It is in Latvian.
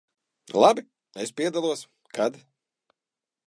Labi, es piedalos. Kad?